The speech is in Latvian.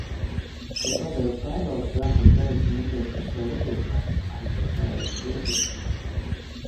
Kad pabeidzu pārbaudes darbu un beidzu ņemties par savu rezultātu, aizgāju paēst brokastis.